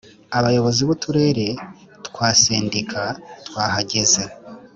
Abayobozi b Uturere twa Sendika twahagaze